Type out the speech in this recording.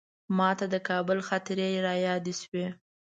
ماته د کابل خاطرې رایادې شوې.